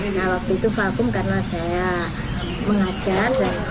nah waktu itu vakum karena saya mengajar